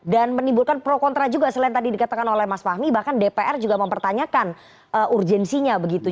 dan menimbulkan pro kontra juga selain tadi dikatakan oleh mas fahmi bahkan dpr juga mempertanyakan urgensinya begitu